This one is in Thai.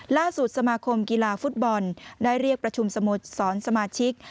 ล่าสุดสมาคมกีฬาฟุตบอลได้เรียกประชุมสโมสรสมาชิก